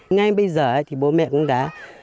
ngay bây giờ thì bố mẹ cũng đã